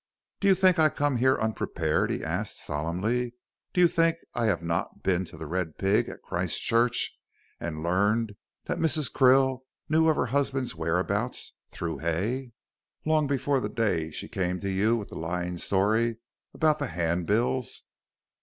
"Do you think I come here unprepared?" he asked, solemnly; "do you think I have not been to 'The Red Pig' at Christchurch and learned that Mrs. Krill knew of her husband's whereabouts, through Hay, long before the day she came to you with the lying story about the hand bills?